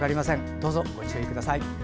どうぞご注意ください。